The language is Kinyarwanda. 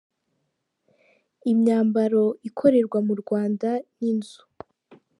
Imyambaro ikorerwa mu Rwanda n’inzu.